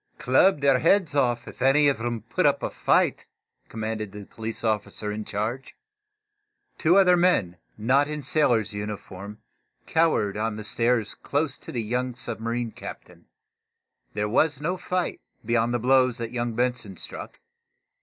"Club their heads off, if any of 'em put up a fight," commanded the police officer in charge. Two other men, not in sailors' uniform cowered on the stairs, close to the young submarine captain. There was no fight, beyond the blows that young Benson struck.